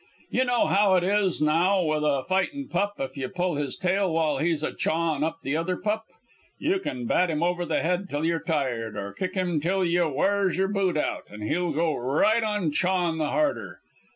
"Y'know how it is now with a fightin' pup if you pull his tail while he's a chawin' up the other pup. Ye can bat him over the head till you're tired, or kick him till you w'ars your boot out, an' he'll go right on chawin' the harder.